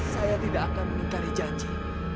saya tidak akan mengingkari janji